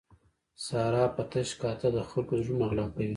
ساره په تش کاته د خلکو زړونه غلا کوي.